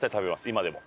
今でも？